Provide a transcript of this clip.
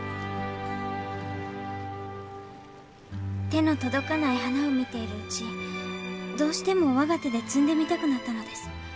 手の届かない花を見ているうちどうしても我が手で摘んでみたくなったのです。